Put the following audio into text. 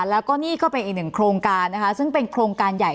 แล้วก็นี่ก็เป็นอีกหนึ่งโครงการนะคะซึ่งเป็นโครงการใหญ่